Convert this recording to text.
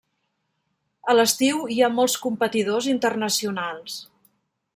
A l'estiu hi ha molts competidors internacionals.